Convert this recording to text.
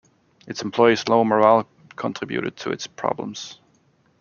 Its employees' low morale contributed to its problems.